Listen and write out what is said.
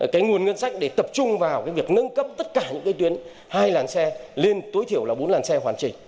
cái nguồn ngân sách để tập trung vào cái việc nâng cấp tất cả những cái tuyến hai làn xe lên tối thiểu là bốn làn xe hoàn chỉnh